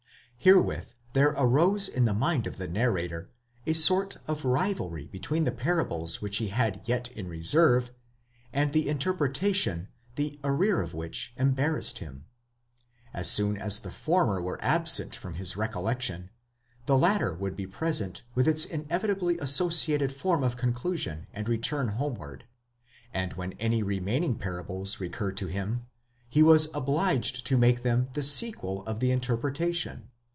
Herewith there arose in the mind of the narrator a sort of rivalry between the parables which he had yet in reserve, and the interpreta tion, the arrear of which embarrassed him; as soon as the former were absent from his recollection, the latter would be present with its inevitably associated form of conclusion and return homeward; and when any remain ing parables recurred to him, he was obliged to make them the sequel of the interpretation.